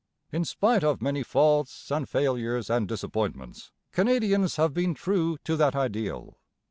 In spite of many faults and failures and disappointments, Canadians have been true to that ideal.